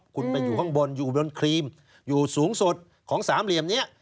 คุณไปอยู่ข้างบนอยู่บนครีมอยู่สูงสุดของสามเหลี่ยมนี้